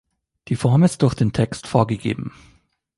Die Form ist durch den Text vorgegeben.